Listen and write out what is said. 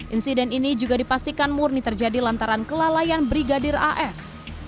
insiden ini juga dipastikan murni terjadi lantaran kelalaian brigadir as